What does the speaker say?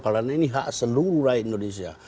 karena ini hak seluruh rakyat indonesia